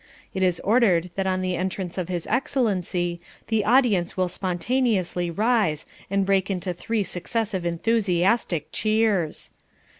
It is ordered that on the entrance of His Excellency the audience will spontaneously rise and break into three successive enthusiastic cheers.